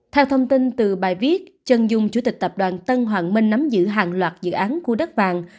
theo thông tin từ bài viết chân dung chủ tịch tập đoàn tân hoàng minh nắm giữ hàng loạt dự án khu đất vàng